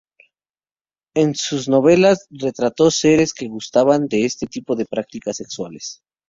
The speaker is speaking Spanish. En sus novelas retrató a seres que gustaban de este tipo de prácticas sexuales.